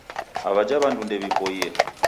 Aw'ajha w'andu ndew'ipoie.